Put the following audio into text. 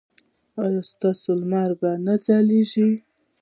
ایا ستاسو لمر به نه ځلیږي؟